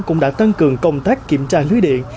cũng đã tăng cường công tác kiểm tra lưới điện